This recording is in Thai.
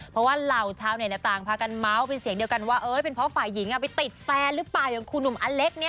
เพราะว่าเหล่าชาวเน็ตต่างพากันเมาส์เป็นเสียงเดียวกันว่าเป็นเพราะฝ่ายหญิงไปติดแฟนหรือเปล่าอย่างครูหนุ่มอเล็กเนี่ย